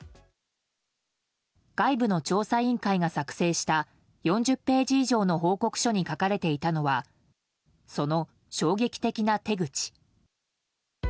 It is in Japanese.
外部の調査委員会が作成した４０ページ以上の報告書に書かれていたのはその衝撃的な手口。